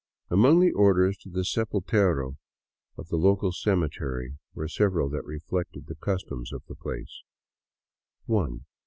Among the orders to the sepultero of the local cemetery were sev eral that reflected the customs of the place :" I.